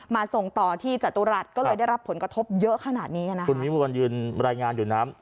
ส่งต่อที่จตุรัสก็เลยได้รับผลกระทบเยอะขนาดนี้อ่ะนะคุณวิมวลวันยืนรายงานอยู่น้ำ